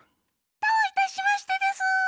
どういたしましてでスー。